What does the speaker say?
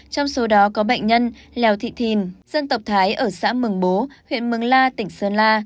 trong số đó có bệnh nhân lèo thị thìn dân tộc thái ở xã mường bố huyện mường la tỉnh sơn la